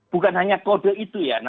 bukan hanya kode itu